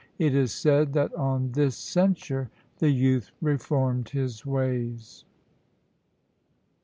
It is said that on this censure the youth reformed his ways.